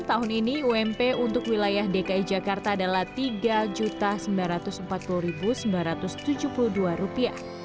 tahun ini ump untuk wilayah dki jakarta adalah rp tiga sembilan ratus empat puluh sembilan ratus tujuh puluh dua